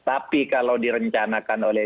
tapi kalau direncanakan oleh